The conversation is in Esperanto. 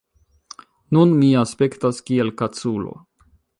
Nun mi aspektas kiel kaculo